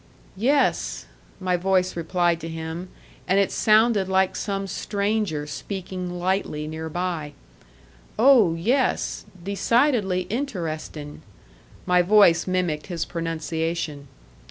"Yes," my voice replied to him, and it sounded like some stranger speaking lightly near by; "oh, yes! Decidedly interesting." My voice mimicked his pronunciation.